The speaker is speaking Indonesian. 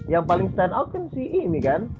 yang paling stand out kan si ini kan